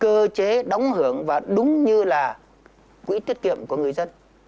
cơ chế đóng hưởng và đúng như là quỹ tiết kiệm của người dân